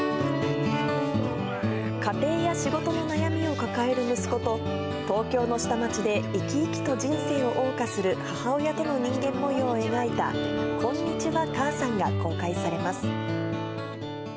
家庭や仕事の悩みを抱える息子と、東京の下町で生き生きと人生をおう歌する母親との人間もようを描いた、こんにちは、母さんが公開されます。